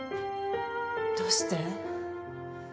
どうして？